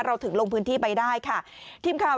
เราถึงลงพื้นที่ไปได้ค่ะ